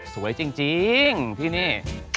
สวยจริงที่นี่